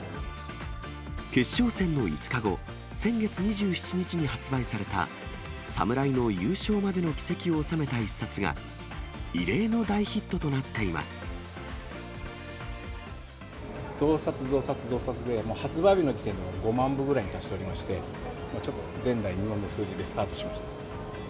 決勝戦の５日後、先月２７日に発売された、侍の優勝までの軌跡を収めた一冊が、異例の大ヒットとなっていま増刷、増刷、増刷でもう発売日の時点で５万分ぐらいに達しておりまして、ちょっと前代未聞の数字でスタートしました。